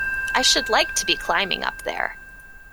I should like to be climbing up there!